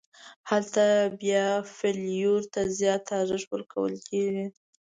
هلته بیا فلېور ته زیات ارزښت ورکول کېږي.